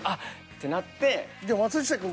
てなって。